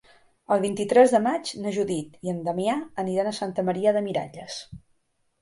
El vint-i-tres de maig na Judit i en Damià aniran a Santa Maria de Miralles.